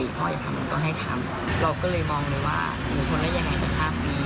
พ่ออย่าทำก็ให้ทำเราก็เลยมองดูว่าหนูทนได้ยังไงถึง๕ปี